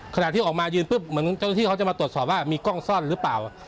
ขณะที่ออกมายืนปุ๊บเหมือนเจ้าหน้าที่เขาจะมาตรวจสอบว่ามีกล้องซ่อนหรือเปล่า